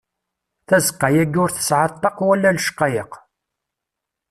Tazeqqa-agi ur tesɛa ṭṭaq wala lecqayeq.